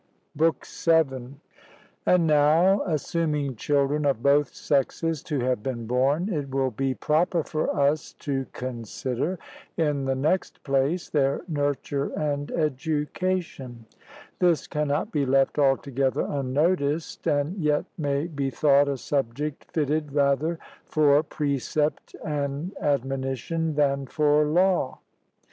BOOK VII. And now, assuming children of both sexes to have been born, it will be proper for us to consider, in the next place, their nurture and education; this cannot be left altogether unnoticed, and yet may be thought a subject fitted rather for precept and admonition than for law.